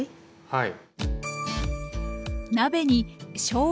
はい。